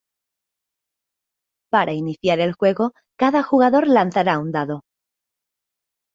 Para iniciar el juego cada jugador lanzará un dado.